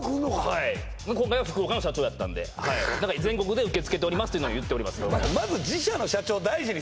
はい今回は福岡の社長やったんでだから全国で受け付けておりますっていうのを言っております